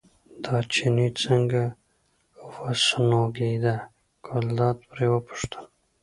دا چيني څنګه وسونګېد، ګلداد پرې وپوښتل.